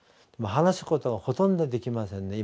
話すことはほとんどできませんね。